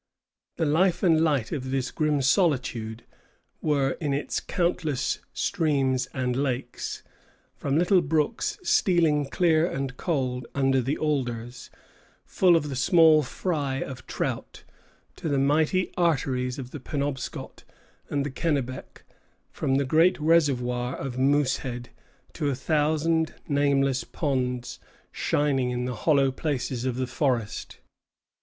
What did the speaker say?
The life and light of this grim solitude were in its countless streams and lakes, from little brooks stealing clear and cold under the alders, full of the small fry of trout, to the mighty arteries of the Penobscot and the Kennebec; from the great reservoir of Moosehead to a thousand nameless ponds shining in the hollow places of the forest.